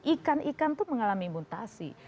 ikan ikan itu mengalami mutasi